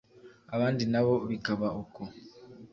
abandi na bo bikaba uko